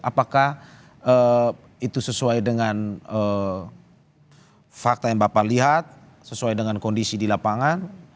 apakah itu sesuai dengan fakta yang bapak lihat sesuai dengan kondisi di lapangan